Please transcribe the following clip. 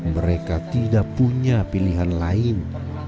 mereka tidak punya pilihan lain